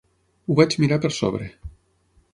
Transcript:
Ho vaig mirar per sobre.